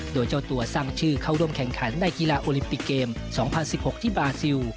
โดยเจ้าตัวสร้างชื่อเข้าร่วมแข่งขันในกีฬาโอลิมปิกเกม๒๐๑๖ที่บาซิล